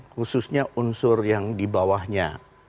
khususnya unsur yang di bawahnya